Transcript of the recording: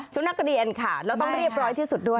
นักเรียนค่ะแล้วต้องเรียบร้อยที่สุดด้วย